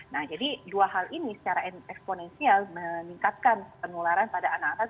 nah jadi dua hal ini secara eksponensial meningkatkan penularan pada anak anak